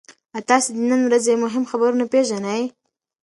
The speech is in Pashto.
ایا تاسي د نن ورځې مهم خبرونه پېژنئ؟